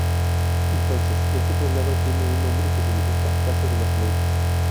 Entonces este poblado tiene un nombre que significa "casa de los monjes".